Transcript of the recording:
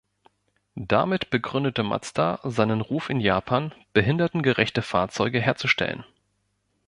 Damit begründete Mazda seinen Ruf in Japan, behindertengerechte Fahrzeuge herzustellen.